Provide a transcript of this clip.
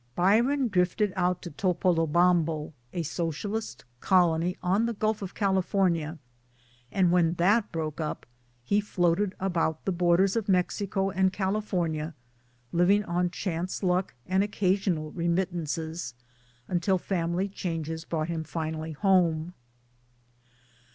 Bryan drifted out to Topolobampo, a socialist colony on the Gulf of California ; and when that broke up he floated about the borders of Mexico and California, living on chance luck and occasional re mittances until family, changes brought him finally home.